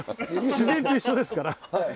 自然と一緒ですから。